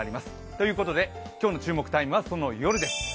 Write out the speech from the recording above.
ということで今日の注目タイムは、その夜です。